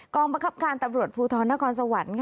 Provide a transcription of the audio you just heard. กองประคับการตับรวจภูทรนครสวรรค์